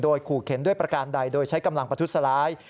ผู้สูญโดยขู่เขนด้วยประกาศใดโดยใช้กำลังประทุศลาย